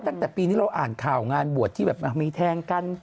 ตั้งแต่ปีนี้เราอ่านข่าวงานบวชที่แบบมีแทงกัน